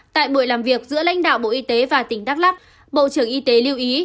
tại buổi làm việc giữa lãnh đạo bộ y tế và tỉnh đắk lắc bộ trưởng y tế lưu ý